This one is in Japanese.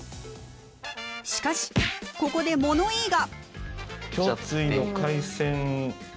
しかしここで物言いが！